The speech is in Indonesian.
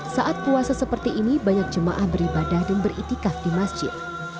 saat puasa seperti ini banyak jemaah beribadah dan beritikaf di masjid